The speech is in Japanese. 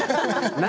何？